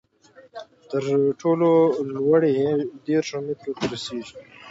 تر ټولو لوړې یې دېرشو مترو ته رسېدې.